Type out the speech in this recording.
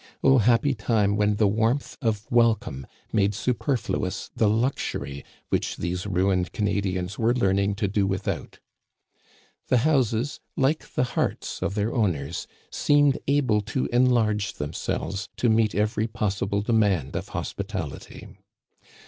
Oh, happy time when the warmth of wel come made superfluous the luxury which these ruined Canadians were learning to do without ! The houses, like the hearts of their owners, seemed able to enlarge themselves to naeet every possible demand of hospital ity